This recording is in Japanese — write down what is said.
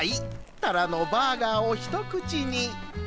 たらのバーガーを一口に。